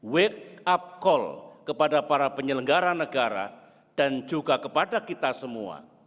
wake up call kepada para penyelenggara negara dan juga kepada kita semua